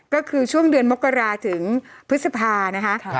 ก็คือช่วงเดือนมกราถึงพฤษภานะคะ